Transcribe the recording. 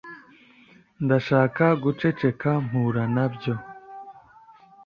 Ndashaka guceceka mpura nabyo